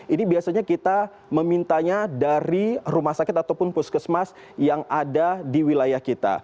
ini biasanya kita memintanya dari rumah sakit ataupun puskesmas yang ada di wilayah kita